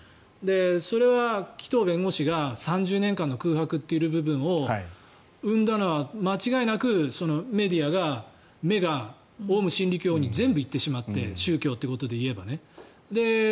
それは紀藤弁護士が３０年間の空白と言っている部分を生んだのは間違いなくメディアの目がオウム真理教に全部行ってしまって宗教ということでいえばね。